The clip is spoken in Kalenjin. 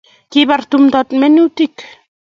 Kibar tumdo minutik